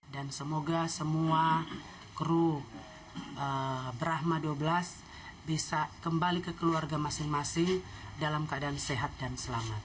dan semoga semua kru brahma dua belas bisa kembali ke keluarga masing masing dalam keadaan sehat dan selamat